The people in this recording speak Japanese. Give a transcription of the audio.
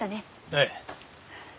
ええ。